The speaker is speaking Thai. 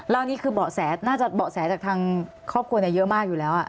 แล้วนี่คือเบาะแสน่าจะเบาะแสจากทางครอบครัวเยอะมากอยู่แล้ว